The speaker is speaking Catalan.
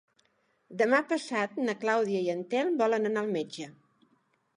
Demà passat na Clàudia i en Telm volen anar al metge.